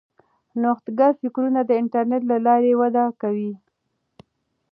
نوښتګر فکرونه د انټرنیټ له لارې وده کوي.